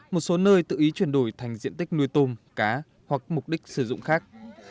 một số nơi tự ý chuyển đổi thành diện tích nuôi tôm cá hoặc mục đích sử dụng khác